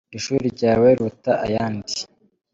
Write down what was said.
Ishuri ryawe riruta ayandi